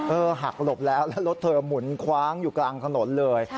หักหลบแล้วแล้วรถเธอหมุนคว้างอยู่กลางถนนเลย